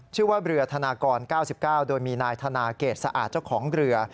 ชื่อว่าเรือธนากร๙๙โดยมีนายธนาเกรดสะอาดเจ้าของเรือ